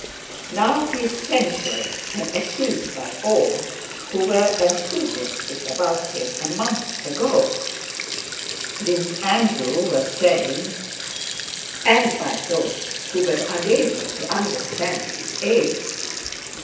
"Now he is censured and accused by all who were enthusiastic about him a month ago," Prince Andrew was saying, "and by those who were unable to understand his aims.